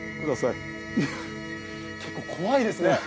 結構、怖いですね。